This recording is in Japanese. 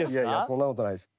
そんなことないです。